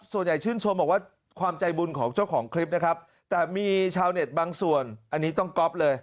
ส่วนใหญ่ชื่นชมบอกว่าความใจบุญของเจ้าของคลิปนะครับแต่มีชาวเน็ตบางส่วนอันนี้ต้องก๊อฟเลย